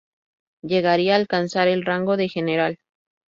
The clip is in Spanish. Llegaría a alcanzar el rango de general.